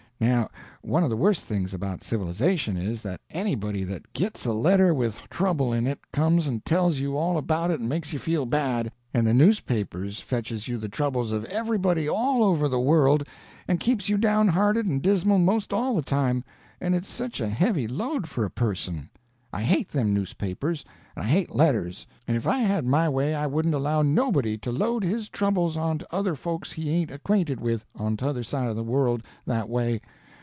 Now, one of the worst things about civilization is, that anybody that gits a letter with trouble in it comes and tells you all about it and makes you feel bad, and the newspapers fetches you the troubles of everybody all over the world, and keeps you downhearted and dismal 'most all the time, and it's such a heavy load for a person. I hate them newspapers; and I hate letters; and if I had my way I wouldn't allow nobody to load his troubles on to other folks he ain't acquainted with, on t'other side of the world, that way.